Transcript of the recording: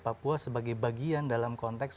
papua sebagai bagian dalam konteks